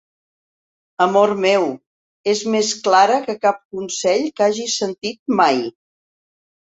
Amor meu, és més clara que cap consell que hagi sentit mai!